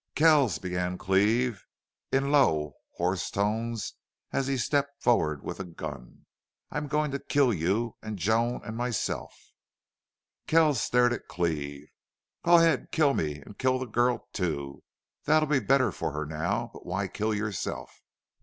"Kells," began Cleve, in low, hoarse tones, as he stepped forward with a gun. "I'm going to kill you and Joan and myself!" Kells stared at Cleve. "Go ahead. Kill me. And kill the girl, too. That'll be better for her now. But why kill yourself?"